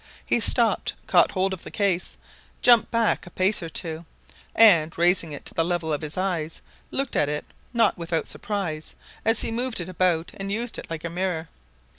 He stopped, caught hold of the case, jumped back a pace or two, and, raising it to the level of his eyes, looked at it not without surprise as he moved it about and used it like a mirror.